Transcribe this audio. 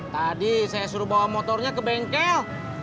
tadi saya suruh bawa motornya ke bengkel